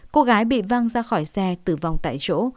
cô gái bị văng ra khỏi xe tử vong tại chỗ